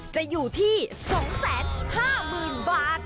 จะอยู่ที่๒๕๐๐๐บาท